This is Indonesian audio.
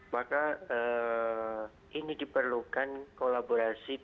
maka ini diperlukan kolaborasi